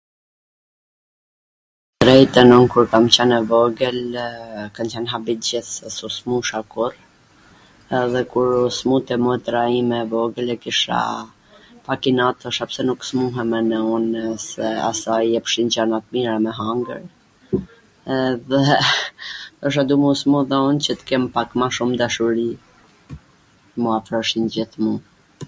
Tw drejtwn, un kur kam qwn e vogwl, kan qwn habit t gjith, se s u smursha kurr, edhe kur u smurte motra ime e vogwl, bile kisha pak inat dhe thosha pse nuk smurem edhe un, se asaj i jepshin gjana t mira me hangwr, edhe thosha dua t swmurem edhe un qw t kem pak ma shum dashuri...